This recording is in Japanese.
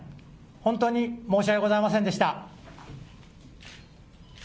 本当に申し訳ございませんでした。